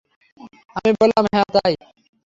আমি বললাম, হ্যাঁ, তাই।